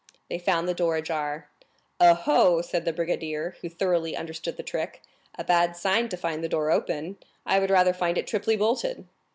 They found the door ajar. "Oh, oh," said the brigadier, who thoroughly understood the trick; "a bad sign to find the door open! I would rather find it triply bolted."